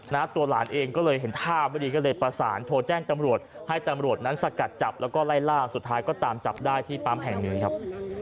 ตัวหลานเองก็เลยเห็นท่าไม่ดีก็เลยประสานโทรแจ้งตำรวจให้ตำรวจนั้นสกัดจับแล้วก็ไล่ล่าสุดท้ายก็ตามจับได้ที่ปั๊มแห่งนี้ครับ